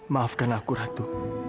maafkan aku ratu